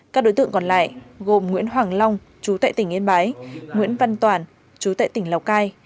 các đối tượng còn lại gồm nguyễn hoàng long chú tại tỉnh yên bái nguyễn văn toàn chú tệ tỉnh lào cai